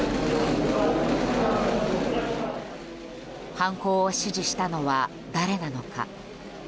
犯行を指示したのは誰なのか。